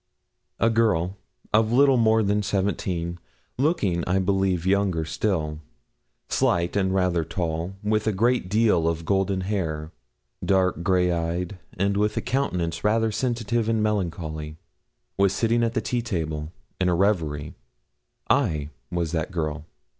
A girl, of a little more than seventeen, looking, I believe, younger still; slight and rather tall, with a great deal of golden hair, dark grey eyed, and with a countenance rather sensitive and melancholy, was sitting at the tea table, in a reverie. I was that girl.